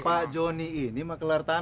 pak johnny ini mah kelar tanah ya